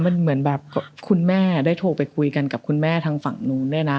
มันเหมือนแบบคุณแม่ได้โทรไปคุยกันกับคุณแม่ทางฝั่งนู้นด้วยนะ